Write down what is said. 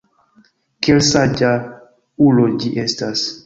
Kiel saĝa ulo ĝi estas!